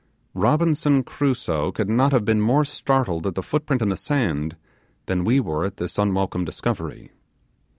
Robinson Crusoe could not have been more startled at the footprint in the sand than we were at this unwelcome discovery.